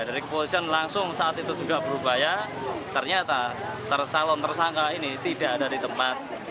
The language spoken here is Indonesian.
dari kepolisian langsung saat itu juga berupaya ternyata tersalon tersangka ini tidak ada di tempat